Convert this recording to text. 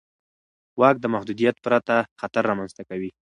واک د محدودیت پرته خطر رامنځته کوي.